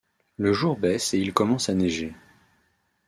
Le jour baisse et il commence à neiger.